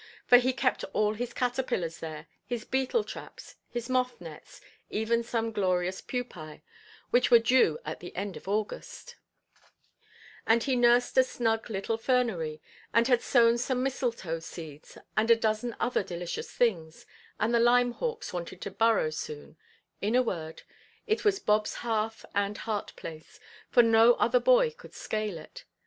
For he kept all his caterpillars there, his beetle–traps, his moth–nets, even some glorious pupæ, which were due at the end of August; and he nursed a snug little fernery, and had sown some mistletoe seeds, and a dozen other delicious things, and the lime–hawks wanted to burrow soon; in a word, it was Bobʼs hearth and heart–place, for no other boy could scale it.